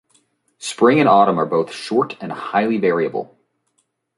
Spring and autumn are both short and highly variable.